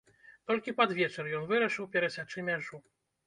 Толькі пад вечар ён вырашыў перасячы мяжу.